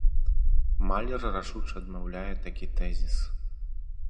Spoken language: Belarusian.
Малер рашуча адмаўляе такі тэзіс.